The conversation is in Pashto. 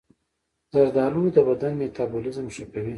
زردآلو د بدن میتابولیزم ښه کوي.